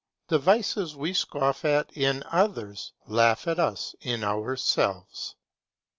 The vices we scoff at in others, laugh at us within ourselves.